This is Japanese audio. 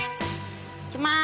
いきます。